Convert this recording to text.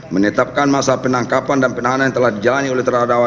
menetapkan masa penangkapan dan penahanan yang telah dijalani oleh terdakwa